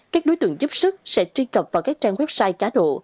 các đối tượng giúp sức sẽ truy cập vào các trang website cá độ